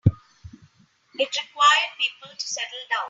It required people to settle down.